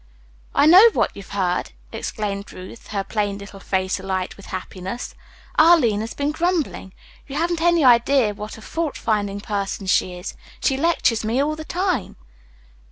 "I know what you've heard!" exclaimed Ruth, her plain little face alight with happiness. "Arline has been grumbling. You haven't any idea what a fault finding person she is. She lectures me all the time."